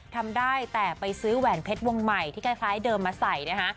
ทำได้แต่ไปซื้อแหวนเพชรวงใหม่ที่คล้ายเดิมมาใส่นะคะ